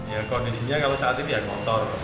ya kondisinya kalau saat ini ya motor